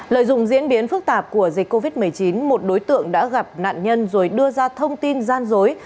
lợi dụng diễn biến phức tạp của dịch covid một mươi chín một đối tượng đã gặp nạn nhân rồi đưa ra thông tin gian dối